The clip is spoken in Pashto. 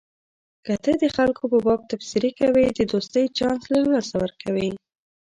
که ته د خلکو په باب تبصرې کوې د دوستۍ چانس له لاسه ورکوې.